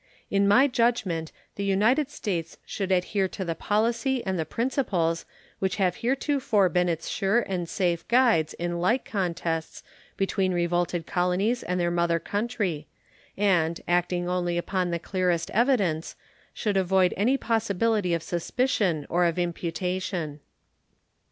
In my judgment the United States should adhere to the policy and the principles which have heretofore been its sure and safe guides in like contests between revolted colonies and their mother country, and, acting only upon the clearest evidence, should avoid any possibility of suspicion or of imputation.